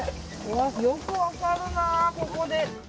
よく分かるな、ここで。